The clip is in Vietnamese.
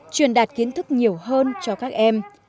truyền đạt kiến thức nhiều hơn cho các em